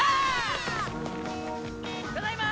ただいま！